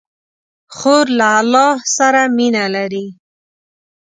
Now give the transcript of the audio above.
خور له الله سره مینه لري.